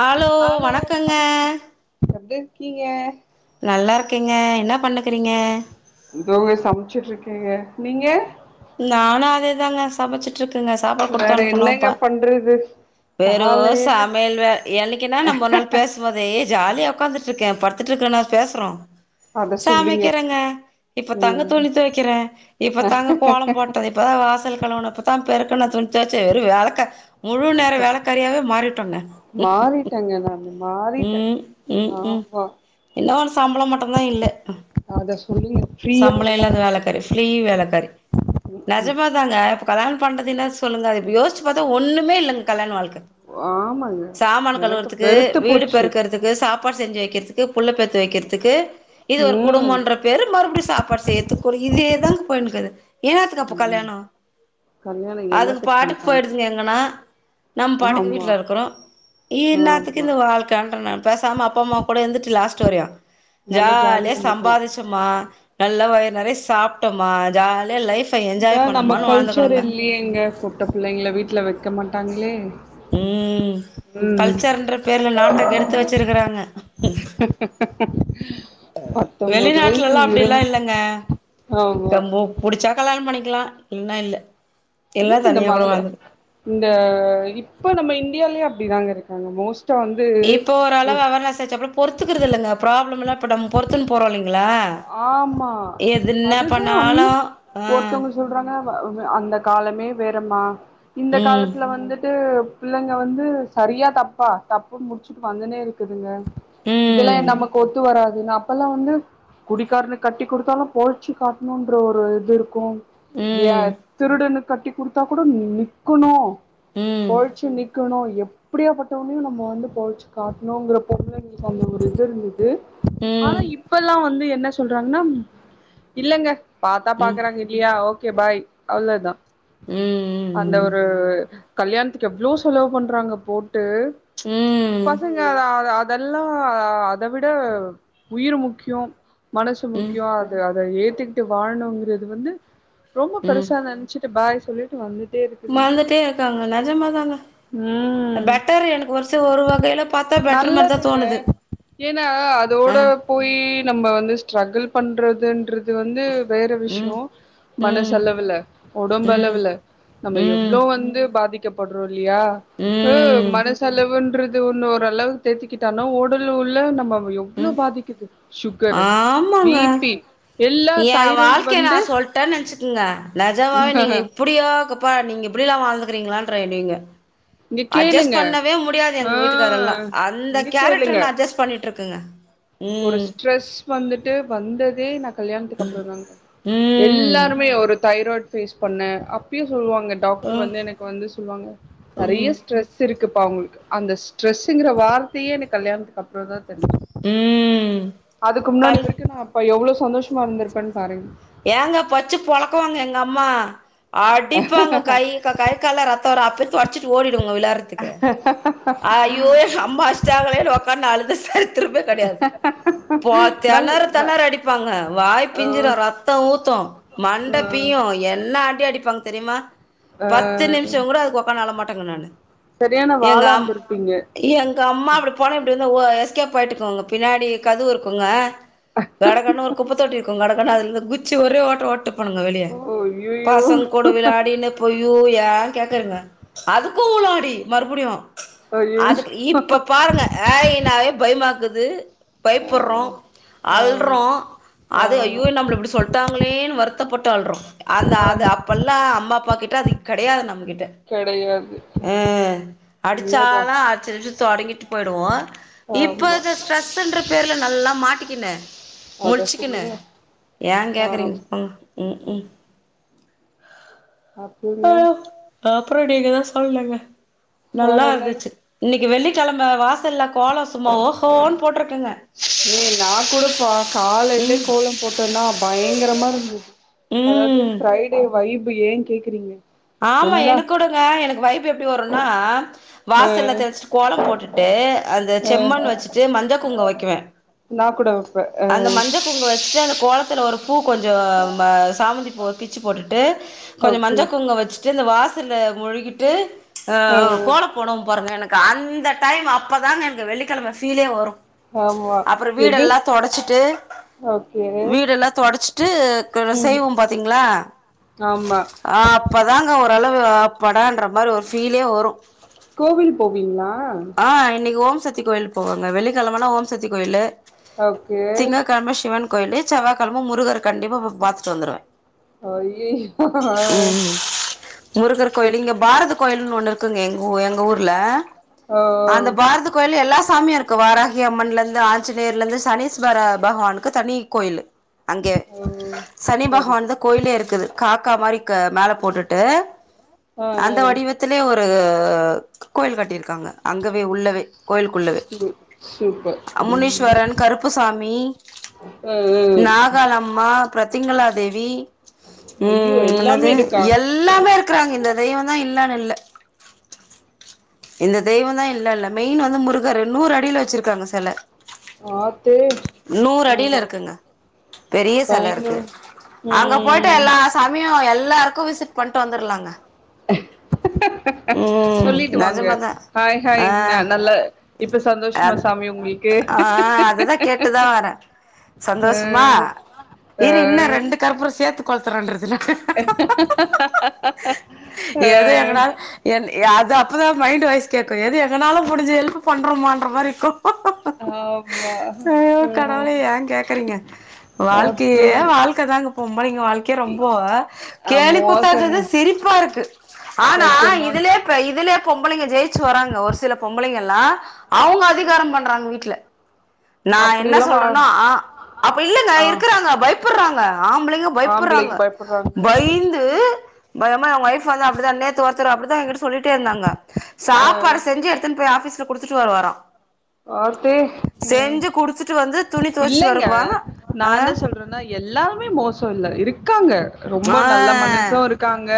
Hello வணக்கங்க எப்டி இருக்கீங்க நல்லா இருக்கேங்க என்ன பண்ணுக்குறீங்க இங்க சமச்சுட்டு இருக்கேங்க நீங்க நானு அதேதாங்க சமச்சுட்டு இருக்குங்க சாப்பாடு குடுத்தனு வேற அனுப்பனு என்னங்க இப்ப பண்றது வெறு காலையில சமயல் வேல என்னைக்கென்ன நம்ம ஒரு நாள் பேசும்போதே ஏ ஜாலியாக உட்காந்துட்டு இருக்கே பத்துட்டுக்கன் நா பேசுறோ அத சொல்லுங்க சமைக்குறங்க இப்ப தாங்க ம் துணி துவைக்கிறே இப்ப தாங்க கோலம் போட்டது இப்பதா வாசல் கழுவுனே இப்பதா பெருக்குன்ன துணி துவச்சு வெறு வேலைக்கா முழு நேர வேலக்காறியாவே மாறிட்டோங்க [unintelligible] மாறிட்டேங்க நானு மாறிட்டே உம் உம் உம் ஆமா என்ன ஒரு சம்பளம் மட்ட மா இல்ல அ சம்பள இல்லாத வேலக்காரி ஃப்ரீ வேலக்காரி ம் நெஜமா தாங்க இப்ப கல்யாண பண்றது என்ன சொல்லுங்க இப்ப யோசிச்சு பாத்தா ஒன்னுமே இல்லங்க கல்யாண வாழ்க்க ஆமாங்க சாமான எனக்கு கழுவுறதுக்கு வெறுத்து வீடு போச்சு பெருக்குறதுக்கு சாப்பாடு செஞ்சு வை வெக்குறதுக்கு புள்ளப்பெத்து வெக்குறதுக்கு இது ஒரு ம் குடும்பன்ற பேரு மறுபடியு சாப்பாடு செய்யர்துக்கு இதேதான்ங்க போயுனுக்குது ஏ அதுகப்போ ம் கல்யாணோ கல்யாணோ அதுங்க என்னத்துக்கு பாட்டுக்கு பண்றாங்க போயிடுதுங்க எங்கன்னா நம்ம பாட்டுக்கு ஆமா வீட்ல இருக்குறோ இன்னாத்துக்கு ஆமா இந்த வாழ்க்கன்றே நா பேசாம அப்பா அம்மா கூட இருந்துட்டு லாஸ்ட்ட் [unintelligible] நல்லா ஜாலிய ஜாலியா இருந்துக்கலா சம்பாருச்சு மா நல்ல வயச நெறய சாப்ட்டமா ஜாலியா லைஃப் அதா நம்ம கல்ச்சர் இல்லயேங்க பொட்ட புள்ளைங்ள வீட்ல வக்க மாட்டாங்க ளே உம் கல்ச்சர்ன்ற பேர்ல நாட்டகெடுத்து வச்சிருக்குறாங்க ஆ பத்தொன்பது வெளிநாட்ல வயசு எல்லா இருவ அப்டில்லா இல்லங்க ஆமா புடிச்சா கல்யாண பண்ணிகு இருக்கலாம் இல்னா இல்ல இல்லக்கு இந்த தனியா கூட மல்லு வாழ்ந்து இந்த இப்போ நம்ம இந்தியாலேயே அப்டிதாங்க இருக்காங்க மோஸ்ட் இப்போ ஓரளவு அவர்னஸ் ஆச்சப்ப பொறுத்துக்குறது இல்லங்க ப்ராப்ளம் எல்லா இப்ப நம் பொறுத்துன் போறோல்லைங் ஆமா என்ன அதுதா ம் பண்ணாலும் ஆ ஒருத்தவுங்க சொல்றாங்க வ அ அந்த காலமே வேறம்மா இந்த ம் காலத்துல வந்துட்டு பிள்ளங்க வந்து சரியா தப்பா டப்புன் முடுச்சுட்டு வந்துனே இருக்குதுங்க இதுலே ம் நமக்கு ஒத்து வரா து அப்பெல்லா வந்து குடிக்காரனுக் கட்டி குடுத்தாலு போழ்ச்சு காட்னுன்ற ஒரு இது இருக்கு ஏ ம் திருடனுக் கட்டி குடுத்தா கூட நிக்கனு ம் போழ்ச்சு நிக்கனு எ ப்புடியா‌ பட்டவனையு நம்ம வந்து போழ்ச்சு காட்னுங்குற பொம்ளைங்களுக்கு அந்த ஒரு இது இருந்தது ம் ஆனா ம் இப்பல்லா வ ந்து என்ன சொல்றாங்னா இல்லங்க பாத்தா ம் ம் பாக்குறாங்க இல்லயா ஓ கே பாய் அவ்ளதா அந்த ஒரு கல்யாண்த்துக்கு எவ்ளோ செலவு பண்றாங்க போ ட்டு ம் பசங்க அதா அத அ தெல்லா அத விட உயிர் முக்கியொ மனசு ம் முக்கியொ அது அத ஏ த்துக்ட்டு வாழனுங்கிறது வந்து ரொம்ப ம் பெருசா நென்ச்சிட்டு பாய் சொல்லிட்டு வந்து மறந்துட்டே இருக்காங்க நெஜமாதாங்க ம் பெட்டரு எனக்கு வருஷ ஒரு வகைல பாத்தா பெட்டர் மாரிதா நல்லதுங்க தோணுது ஏன்னா, ஆ அதோட போய் நம்ம வந்து ஸ்ட்ரகுள் பண்றதுன்றது வந்து வேற ம் விஷ்யோ ம் மனசளவுல ம் உடம்பளவுல நம்ம ம் எவ்ளோ வந்து பாதிக் கப்பட்றோ இல்லயா அ ம் மனசளவுன்ற து ஒன்னு ஓரளவு தேத்துக்கிட்டானு உடல் உள்ள நம்ம ம் எவ்ளோ ம் பாதிக்குது சுகரு, ஆமா. ஆமாங்க பிபி எல்லா ஏ தைராய்டு வாழ்க்கைய நா வந்து சொல்டன் நெனைச்சுக்கங்க நெஜமாவே நீங்க இப்டியாக்கப்ப நீங்க இப்டிலா வாழ்ந்துக்கிறீங்களான் ஃப்ரைடீங்க இங்க அட்ஜஸ் கேளுங்க. பண்ணவே முடியாது ஆ எங்க வீட்டுக்காரெல்லா அந்த இங்க கேரக்ட்ரு கேளுங்க. நா அட்ஜஸ்ட் பண்ணிட்ருக் க்குங்க ஒரு ஸ்ட்ரெஸ் வந்துட்டு வந்தது வே நாக் கல்யாணத்துக்கு அப்புறோந்தாங்க ம் எல்லாருமே ஒரு தைராய்ட் ஃபேஸ் பண்ண அப்பியு சொல்லுவாங்க அ டாக்டர் வந்து எனக்கு வந்து சொல்வாங்க நறையா ம் ஸ்ட்ரெஸ் இருக் இருக்குப்பா உங்களுக்கு அந்த ஸ்ட்ரெஸ்சுங்குற வார்த்தையே எனக் கல்யாணத்துக்கு அப்புறோந்தா தெருஞ்சு ம் அதுக்கு முன்னாடி கல் வரைக்கு நா அப்ப எவ்வளோஸ் சந்தோஷமா இருந்துருப்பன் பாருங் ஏங்க பச்சு பொழக்குவாங்க எங்க அம்மா அடிப்பாங்க கை கக் கை கால்ல ரத்தோ வரு அப் து தொறச்சுட்டு ஓடி டுங்க விளாடறதுக்கு ஐயோ எங்க அம்மா அடுச்சுட்டாங்களே உக்கான்னு அழு திரும்ப கெடையாது போ நல் தெணர ந தெணர அடிப்பாங்க வாய் அ பிஞ்சுரு ஒரு பக் ஊத்து மண்ட பீயு என்ன அடி அ அடிப்பாங் தெரியுமா அ அ பத்து நிம்ஷோங் கூட அதுக்கு உக்காந்து அழ மாட் பட்டங்க நானு சரியான எங்க வாளா அம் இருந்திருப்பீங்க. எங்க அம்மா அப்டி போனா இப்டி வந்து ஓய் எஸ்கேப் ஆயிட்டுக்கோங்க பின்னாடி கதுவு இருக்குங்க கடகடன்னு ஒரு குப்பத்தொட்டி இருக்குங் கடகடன்னு அதுல இருந்து குதுச் ச்சு ஒரே ஓட்டோ ஓட்டு பண்ணுங்க வெளிய ஓ ஐயையோ! பசங் கூட விளாடினு பொய்யோய் ஏங் கேக்குறீங்க அதுக்கு அவ்ளோ அடி மறுபடியு ஐயையோ! அதுக்கு இப்ப பாருங்க ஏய் நாவே பயமாக் க்குது அ பயப்பர்றோ ஆமா. அல்றோ அது ஆமா. ஐயோ நம்மள இப்டி சொல் த்தாங்களேன் வருத்தப்பட்டு அல்றோ அந்த அது ஆமா. அப்பெல்லா அம்மா அப்பா கிட்ட அது கெடையாது நம்ம கிட் கெடையாது ம் அடிச்சால உண்மதான். அச்சு நிமிச்சோ தொடங்கி போய்டுவோ இப்ப ஆமா. அந்த ஸ்ட்ரெஸ் என்ற பேர்ல நல்லா மாட்டிக் கின அத முழிச்சுக்குனு சொல்லுங்க ஏ ஆ கேக்குறீங்க போப்பாங்க ம் ம் ஆ அப்றங்க அப்புறோ நீங்கதா சொல்னுங்க வேற நல்லா என்ன இருந்துச்சி இன்னிக் வெள்ளி செலம்ப வாச இல்லா கோலோ சும்மா ஓஹோன்னு போட்ருக்குங்க ஏ நா கூடப்பா காலையிலே ம் கோலம் போட்டோன்னா பயங்கரமா இருந்தது அதாவது ம் ஃபிரைடே வைப் இப்ப ஏ கேக்குறீங்க ஆமா எல்லா எனக்குடுங்க எனக்கு வைப் எப்பிடி வரு நா ஆ வாசல்ல தெளிச்சிட்டு கோலம் போட்டுட்டு அந்த செம்மன் வச்சுட்டு மஞ்ச குங்க வைக்குவே நா கூட வைப்பே அந்த ஆ மஞ்ச குங்க வச்சுட்டு அந்த கோலத் த்தல ஒருப் பூ கொஞ்சோ ம சாமந்தி பூ பிச்சி போட்டு டு கொஞ்சோ ஓகே மஞ்ச குங்க வச் ட்டு இந்த வாசல மொழுகிட்டு ஆ ஆ கோலோ போடுவோ பாருங்க எனக் கா அந்த டைம் அப்பதாங்க எனக்கு வெள்ளிக்கிழம ஃபீலே வரு ஆமா அப்புறோ எது வீடெல்லா தொடச்சிட்டு ஓகே வீடெல்லா தொடச்சிட்டுக்குல ம் செய்வோ பாத்தீங்களா ஆமா ஆ தாங்க ஓரளவு அப்படான்ற மாரி ஒரு ஃபீலே வரு கோவில் போவீங்களா ஆ இன்னக்கி ஓம் சக்தி கோயில் போவாங்க வெள்ளிக்கெழமன்னா ஓம்சக்தி கோயிலு ஓகே திங்க கழம ஷிவன் கோயிலு செவ்வாகெழம முருகர் கண்டிப்பா பொ பாத்துட்டு வந்துருவே ஐயயோ ஆ ம் முருகர் கோயிலு சூப் இங்க பாரத கோயில்னு ஒன்னு இரு க்குங்க எங்க ஊ எங்க ஊர்ல ஆ அந்த பாரத கோயில் எல்லா சாமியு இருக்கு வாராஹி அம்மன்லந்து ஆஞ்சநேயர்லந்து சனீஸ்வர பகவானுக்கு தனி கோயிலு அங்க ஓ சனி சரி பகவான் தா சரி கோயிலே இருக்குது கா க்கா மாரி க மேல போட்டுட்டு ஆ ஆ அந்த வடிவத்துலே ஒரு கோயில் கட்டிருக் காங்க அங்கவே உள்ளவே கோயிலுக்குள்ளவே சூ சூப்பர் அ ம் முனீஸ்வரன் கருப்புசாமி ஆ ஆ நாகாலம்மா பிரத்திங்களா தேவி ஐயோ ம் எல்லாமே என்னது இருக்கா எல்லாமே இருக்குறாங்க இந்த தெய்வந்தா இல்லன் இல்ல இந்த தெய்வொந்தா இல்ல இல்ல மெயின் வந்து முருகரு நூறு அடில வச்சுருக்காங்க செல ஆத்து நூறு ஆ அடில இருக்குங்க பெரிய செல இருக்கு பயங்கரம் அங்க போயிட்டு ம் எல்லா சாமியு எல்லாருக் கு விசிட் பண்ட்டு வந்துர்லாங்க ம் சொல்லிட்டு வாங்க நெஜமா தா ஹாய் ஹாய் ஆ ந நல்ல இப்ப அ சந்தோஷமா சாமி உங்களுக்கு ஆ அததா கேட்டுதா வரே ஆ சந்தோஷமா ஆ இரு இன்னு ரெண்டு கற்புரொ சேத்து கொ ளுத்துறேன்றதில ஆ எத எங்கனால் என் அது அ ப்ப தா மைண்டு வாய்ஸ் கேக்கு எது எங்கனால முடுஞ்ச ஹெல்ப்பு பண்றமான்ற மாரி இருக்கு ஆமா ஐயோ ம் கடவுளே ஏ கேக்குறீங்க வாழ்க்கையே அப்புறம் வாழ்க்க தாங்க பொம்பளைங்க வாழ்க்கயே ரொம்ப ஆ கேலிகூத்தா மோசங்க இருக்குது சிரிப்பா இருக்கு ஆனா நெஜமா இதுலே ப இதுலே ஜெயிச்சு வராங்க ஒரு சில பொம்பளைங்கல்லா அவுங்க அதிகாரம் பண்றாங்க வீட்ல நா என்ன அப்படியெல்லாம் வா சொல்றன்னா அப்ப இல்லங்க ஆ இருக்குறாங்க பயப்புர்றாங் ஆம்பளைங்க ஆம்பளைக்கு பயப்புர்றாங்க பயப்படுறாங்க பய்ந்து பயமா ஏன் ஒய்ஃப் வந்து அப்பிடிதா நேத்து ஒருத்தர் அப்பிடிதா எங்கிட்ட சொல்லிட்டே இருந்தாங்க. அ சாப்பாடு செஞ்சு எடுத்துன்னு போய் ஆஃபீஸ் ல குடுத்துட்டு வேற வரோ. ஆத்தீ ம் வந்து துணி துவச்சிட்டு இல்லைங்க வருவாங்க நா ஆ என்ன சொல்றேன்னா எல்லாருமே மோசோ இல்ல இரு க்காங்க ரொம்ப நல்ல மனசு ஆ இருக்காங்க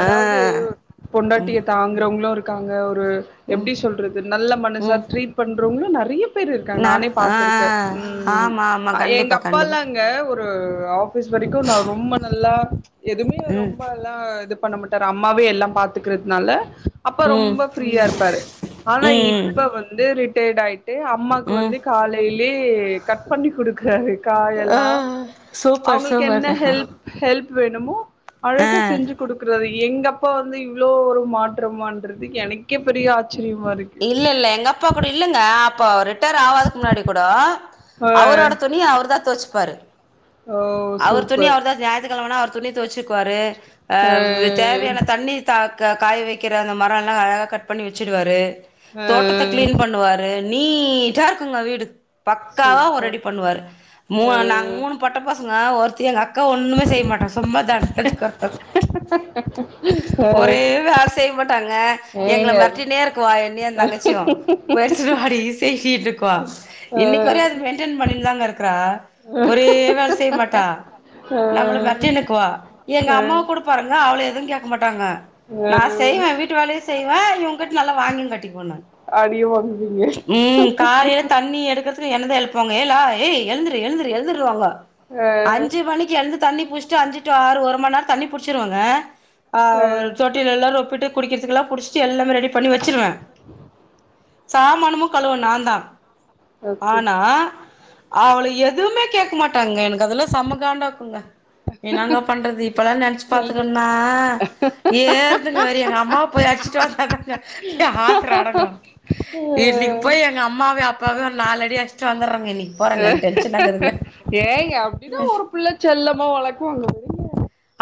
அதாவது ஆ பொண்டாட்டிய தாங்குறவங்களு இரு க்காங்க ஒ ரு எப்டி சொல்றது நல்ல மனசா ம் ட்ரீ ட் பண்றவங்களு நெறைய பேரு இருக்காங்க நான் நானே ஆ பாத்துருக்கே. ம் ஆமா ஆமா அ எங்க கண்டிப்பா கண்டிப்பா அப்பால்லாங்க ஒரு அவரு ஆஃபீஸ் வரைக்கு நா ரொம்ப நல்லா எதுமே ம் ரொம்ப எல்லா இது பண்ண மாட்டாரு அம்மாவே எல்லா பாத்துக்கிறதுனால அப்ப ம் ரொம்ப ஃப்ரீயா இருப்பாரு. ஆனா ம் ம் இப்ப வந்து ரி ட்டையர்டாயி ட்டு அம்மாக்கு ம் வந்து காலையி லயே கட் பண்ணி குடுக்குறாரு ஆ காயெல்லா சூப்பர் அவுங்களுக்கு என்ன சூப்பர்ங்க ஹெல்ப் ஹெல்ப் வேணுமோ அழகா ஆ செஞ்சு குடுக்கறாரு எங்க அப்பா வந்து இவ்ளோ ஒரு மாற்றமான்றது எனக்கே பெரிய ஆ இல்ல இல்ல எங்க அப்பா கூட இல்லங்க அப்ப ரி ட்டையர் ஆவாதக்கு முன்னாடி கூடோ ஆ அவரோட துணிய அவர்தா தொவச் ப்பாரு ஓ அவர் துணிய சூப்பர் அவர்தா ஞாயத்துக் கெழமனா அவர் துணி தொவச்சுக்குவாரு ஆ இது தேவையான தண்ணி தா இங்க காய வைக்கிற அந்த மரோல்லா அழகாக கட் பண்ணி வச்சுருவாரு ஆ தோட்டத்த கிளீன் பண்ணுவாரு நீட்டா இருக்குங்க வீடு பக்காவா ஒரு சூப்பர் ரெடி பண்ணுவாரு மூணு ஆ நாங்க மூணு பொட்ட பசங் நா ஒருத்தி எங்க அக் க்கா ஒண்ணுமே செய்ய மாட்டா சும்மா தண்டத்துக்கொருக ஆ ஒரே வேள செய் மாட்டாங்க எங்கள ஏங்க மிரட்டினே இருக்குவா என்னியு தங்கச்சியு போய் எடுத்து வாடி சைய் [unintelligible] க்குவா ஆ இன்னிக்கு வர அத மெயின்டென் பண்ணிட்டு தாங்க இருக்றா ஒரே வேல செய்ய மாட்டா ஆ ஆ நம்மள மேறடினுக்குவா எங்க அம்மாவ கூட பாருங்க அவள எதுவும் கேக் க் மாட்டாங்க ஆ நா செய்வே வீட்டு வேலையு செய்வே இவங்கிட் நல்லா வாங்கியு கட்டிகுவே நா அடியு வாங்வீங்க ஃபர்ஸ்ட் என்னதா எழுப்பு வாங்க ஏலா ஏய் எழுந்துரு எழுந்துரு எழுந்துருனுவாங்க ஆ அஞ்சு மணிக்கு எழுந்து தண்ணிப் புச்டு அஞ்சு டூ ஆறு ஒரு மண்நேரோ தண்ணி புடிச்சிருவங்க ஆ ஒர் தொட்டிலேல்லா ரொப்பிட்டு குடிக்கறதுக்கெல்லா புடிச்சிட்டு எல்லாமே ரெடிப் பண்ணி வச்சிருவ சாமானமு கழுவ நா தா ஓகே ஆனா அவள எதுமே கேட்கமாட்டாங்க அதெல்லா சமகாண்டாகுங்க எனாங்க பன்றது இப்பெல்லா நெனைச்சி செல்லு பாத்துங்னா ஏறுதுங்க வெறி எங்க அம்மாவ போய் அடுச்சுட்டு வந்த தாங்க என் ஆத்ரோ அடங்கு இன்னிக்கு போய் எங்க அம்மாவியு அப் இப்பவே ஒரு நால் அடி அடுசுட்டு வந்தர அ ஏ ஏங்க அப்பிடிதா ஒரு புள்ள செல்லமா வளக்குவாங்க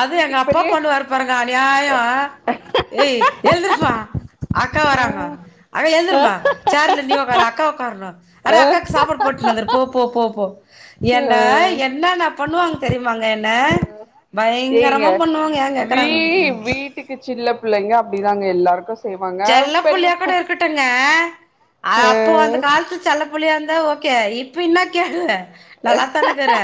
அது எங்க வீட்டுக்கு அப்பா பெரிய பண்ணுவாரு பாருங்க‌ அநியாயோ ஏ ஏழுந்திரிச்சு வா அக்கா வராங்க அட ஆ எழுருந்துமா சேர்ல நீ‌ ஒக்கறா அக்கா உக்காரனு ஆ அடே அக்காக்கு சாப்பாடு போட்டுனு வந்துரு போ போ போ போ ஒ ஆ என்ன என்னன்ன பண்ணுவாங்க தெரியுமாங்க என்ன ஏங்க பயங்கரமா பண்ணுவாங்க ஏன் வீ கேக்குறாங்க வீட்டுக்கு செல்ல புள்ளங்க அப்டிதாங்க எல்லாரு செல்ல புள்ளயா கூட இருக்கட்டுங்க ஆ அப்போ அந்த காலத்து செல்ல புள்ளயா இருந்தா ஓகே இப்ப இன்னா கேடு நல்லாத்தானெக்கிற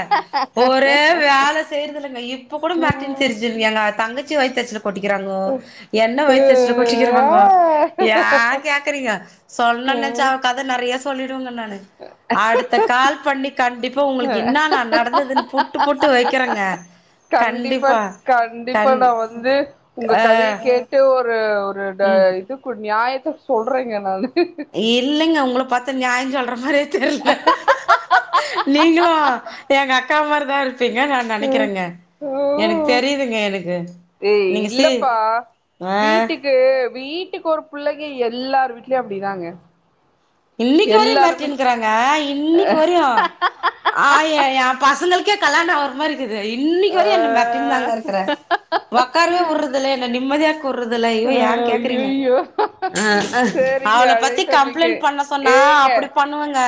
ஒரே வேல செய்றதில்லங்க இப்ப கூட ஆ மெரட்டின் திரிஞ்சுருங் எங்க தங்க ச்சி வயித்தெரிச்சல கொட்டிக்கிறாங்கோ என்ன வயிதெரிச்சல கொட்டிக்கிறாங்கோ ஏ ம் கேக்குறீங்க சொல்னுன் நென்ச்சா அவ கத நறைய சொல்லிடுவெங்க நா னு அடுத்த கால் பண்ணி கண்டிப்பா உங்களுக்கு இன்னானா நடந்ததுன் புட்டு புட்டு வக்கிறேங்க கண்டிப்பா கண்டிப்பா நா வந்து உங்க ஆ கதைய கேட்டு ஒ ரு ஒ ரு ட இதுக்கு நியாய த்த சொல்றேங்க நானு இல்லங்க உங்கள பாத்தா நியாய சொல்ற மாரி தெர்ல நீங்களு எங்கக்கா மாரி தா இரு ப்பீங்க நா நெனைக்கிறெங்க எனக் ம் தெரியிதுங்க எனக்கு ஏய் நீங்க சி இல்லப்பா ஆ டுக்கு ஒரு புள்ளைங்க எல்லார் வீட்லயு அப்டிதாங்க இன்னிக் வரையு எல்லாருமே மெரட்டின்னிக்கிறாங்க இன்னிக்கு வரையு ஆ எ எ பசங்களுக்கே கல்யாணொ ஆவுற மாரி க்குது இன்னிக்கி ஆ வரையு என்ன மெரட்டின் தாங்க இருக்குற ஒக்காரவே உர்றதில்ல என்ன நிம்மதியா இருக்க உர்றதில்ல ஐயோ ஏ கேக்குறீங்க ஐயையோ அஅ சேரிங்க அவள பத்தி அழைத்தமைக்கு கம்ப்ளைண்ட் பண்ண சொன்னா ஏங்க அப்புடி பண்ணுவங்க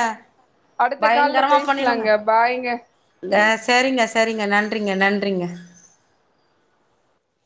அடுத்த கால்ல பயங்கரமா பண்ணிடுங்க பேசலாங்க பாய்ங்க இந்த சரிங்க செரிங்க நன்றிங்க நன்றிங்க